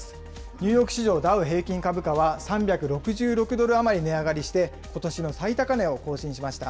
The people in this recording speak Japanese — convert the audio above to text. ニューヨーク市場、ダウ平均株価は３６６ドル余り値上がりして、ことしの最高値を更新しました。